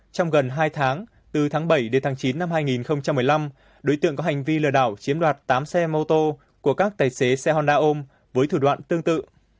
trong gần hai tháng từ tháng bảy đến tháng chín năm hai nghìn một mươi năm đối tượng có hành vi lừa đảo chiếm đoạt tám xe mô tô của các tài xế xe honda ôm với thủ đoạn tương tự